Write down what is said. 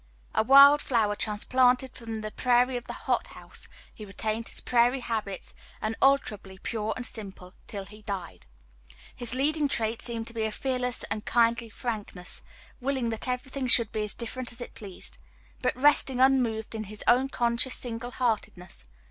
A wild flower transplanted from the prairie to the hot house, he retained his prairie habits, unalterably pure and simple, till he died. His leading trait seemed to be a fearless and kindly frankness, willing that everything should be as different as it pleased, but resting unmoved in his own conscious single heartedness.